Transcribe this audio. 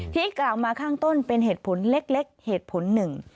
ที่กล่าวมาข้างต้นเป็นเหตุผลเล็กเหตุผลหนึ่ง